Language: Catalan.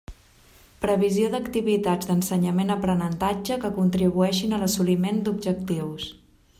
Previsió d'activitats d'ensenyament aprenentatge que contribueixen a l'assoliment d'objectius.